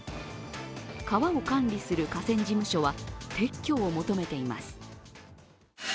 川を管理する河川事務所は撤去を求めています。